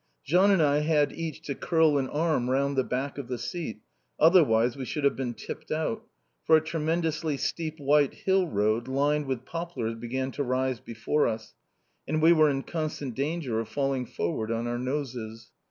Jean and I had each to curl an arm round the back of the seat; otherwise we should have been tipped out; for a tremendously steep white hill road, lined with poplars, began to rise before us, and we were in constant danger of falling forward on our noses.